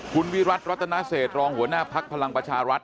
คุณวิรัติรัตนาเศษรองหัวหน้าภักดิ์พลังประชารัฐ